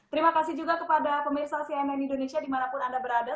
terima kasih juga kepada pemirsa cnn indonesia dimanapun anda berada